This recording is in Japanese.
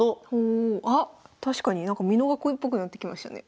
あっ確かになんか美濃囲いっぽくなってきましたね。